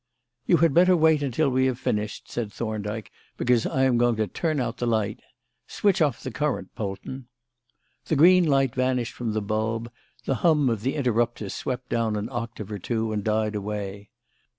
"You had better wait until we have finished," said Thorndyke, "because I am going to turn out the light. Switch off the current, Polton." The green light vanished from the bulb, the hum of the interrupter swept down an octave or two and died away.